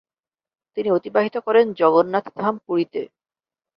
তিনি অতিবাহিত করেন জগন্নাথধাম পুরীতে।